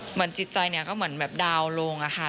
เหมือนจิตใจเนี่ยก็เหมือนแบบดาวน์ลงอะค่ะ